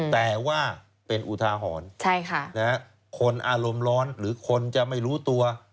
แต่ว่าเป็นอุทาหรณ์คนอารมณ์ร้อนหรือคนจะไม่รู้ตัว